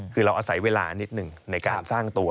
คือเราอาศัยเวลานิดหนึ่งในการสร้างตัว